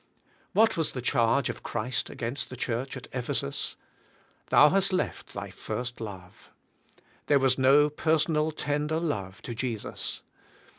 What was the charge of Christ against the church at Ephesus? "Thou hast left thy first love." There was no per sonal tender love to Jesus.